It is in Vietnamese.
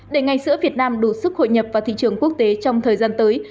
để ngành sữa việt nam đủ sức hội nhập vào thị trường quốc tế trong thời gian tới